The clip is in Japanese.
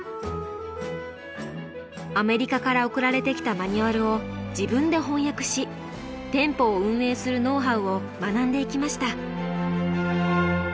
アメリカから送られてきたマニュアルを自分で翻訳し店舗を運営するノウハウを学んでいきました。